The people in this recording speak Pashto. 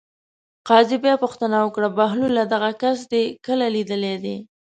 قاضي بیا پوښتنه وکړه: بهلوله دغه کس دې کله لیدلی دی.